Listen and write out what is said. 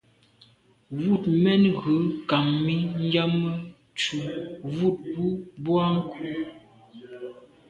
Wut mèn ghù nkam mi yàme tu, wut, mbu boa nku.